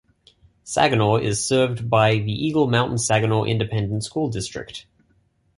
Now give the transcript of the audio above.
Saginaw is served by the Eagle Mountain-Saginaw Independent School District.